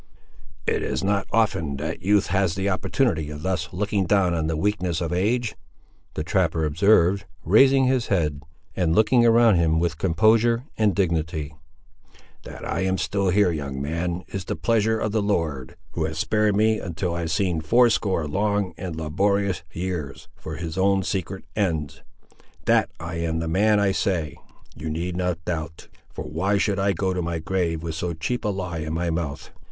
"It is not often that youth has an opportunity of thus looking down on the weakness of age!" the trapper observed, raising his head, and looking around him with composure and dignity. "That I am still here, young man, is the pleasure of the Lord, who has spared me until I have seen fourscore long and laborious years, for his own secret ends. That I am the man I say, you need not doubt; for why should I go to my grave with so cheap a lie in my mouth?"